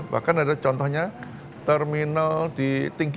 bahkan ada contohnya terminal di tinggi